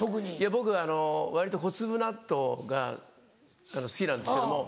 僕割と小粒納豆が好きなんですけども。